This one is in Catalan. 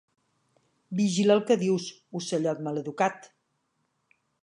Vigila el que dius, ocellot maleducat!